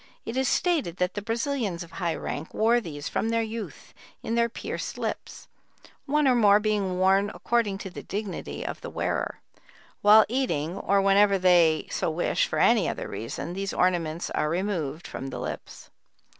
It is stated that the Brazilians of high rank wore these, from their youth, in their pierced lips; one or more being worn according to the dignity of the wearer. While eating, or whenever they so wish for any other reason, these ornaments are removed from the lips."